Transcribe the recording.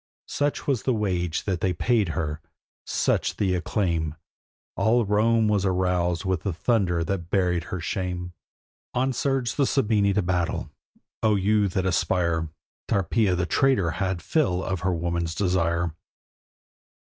Such was the wage that they paid her, such the acclaim: All Rome was aroused with the thunder that buried her shame. On surged the Sabini to battle. O you that aspire! Tarpeia the traitor had fill of her woman's desire.